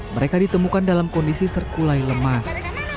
mereka ditemukan dalam kondisi terkulai lemas